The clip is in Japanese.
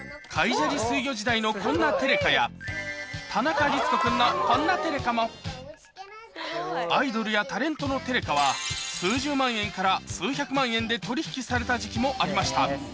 砂利水魚時代のこんなテレカや田中律子君のこんなテレカもアイドルやタレントのテレカはされた時期もありました